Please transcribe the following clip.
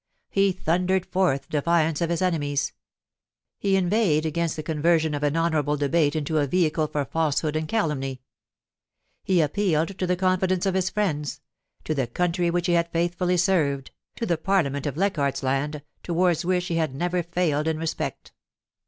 He thundered forth defiance of his enemies. He inveighed against the conversion of an honourable debate into a vehicle for falsehood and calumny. He appealed to the confidence of his friends — to the country which he had faithfully served — to the Parliament of Leichardt's Land, towards which he had never failed in respect.